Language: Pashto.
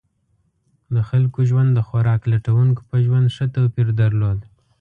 د خلکو ژوند د خوراک لټونکو په ژوند ښه توپیر درلود.